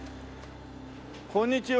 こんにちは。